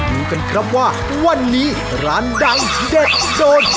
ดูกันครับว่าวันนี้ร้านดังเด็ดโดน